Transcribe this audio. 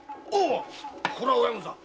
これは親分さん！